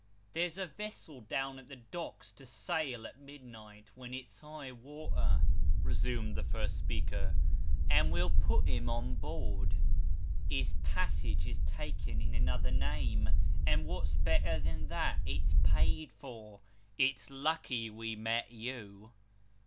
" There's a vessel down at the docks, to sail at midnight, when it's high water," resumed the first speaker, " and we'll put him on board. His passage is taken in another name, and what's better than that, it's paid for. It's lucky we mot you."